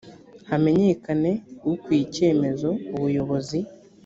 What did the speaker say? hamenyekane ukwiye icyemezo ubuyobozi